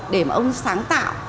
để mà ông sáng tạo